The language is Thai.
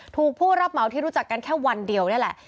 ผู้รับเหมาที่รู้จักกันแค่วันเดียวนี่แหละ